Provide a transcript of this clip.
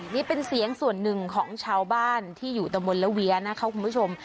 นี่เป็นเสียงส่วนหนึ่งของชาวบ้านที่อยู่ตะมนต์ละเวียนะคะคุณผู้ชม